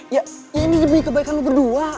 ya ini demi kebaikan lo berdua